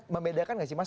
membedakan nggak sih mas